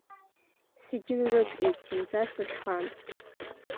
Сагьынрыдҟьеит, зынӡа сырҳан.